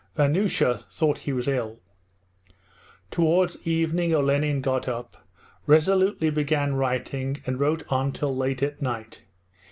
Vanyusha thought he was ill. Towards evening Olenin got up, resolutely began writing, and wrote on till late at night.